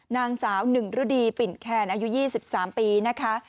นางสาวหนึ่งฤดีปิ่นแคนอายุ๒๓ปีนะคะ